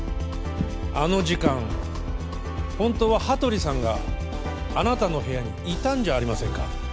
あの時間本当は羽鳥さんがあなたの部屋にいたんじゃありませんか？